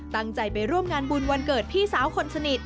ตั้งใจไปร่วมงานบุญวันเกิดพี่สาวคนสนิท